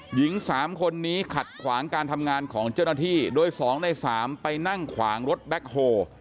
หญิง๓คนนี้ขัดขวางการทำงานของเจ้าหน้าที่โดย๒ใน๓ไปนั่งขวางรถแบ็คโฮ